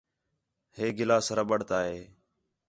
ہے گلاس ربڑتا ہے